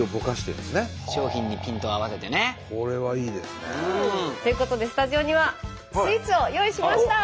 商品にピントを合わせてね。ということでスタジオにはスイーツを用意しました！